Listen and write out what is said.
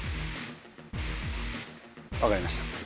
分かりました。